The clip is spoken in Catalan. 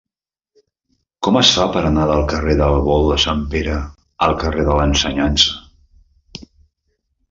Com es fa per anar del carrer del Bou de Sant Pere al carrer de l'Ensenyança?